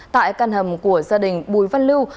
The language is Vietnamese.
tại căn hầm của gia đình bùi văn lưu